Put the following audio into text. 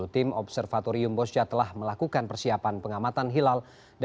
tim observatorium bosca telah melakukan persiapan pengamatan hilal